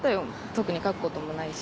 特に書くこともないし。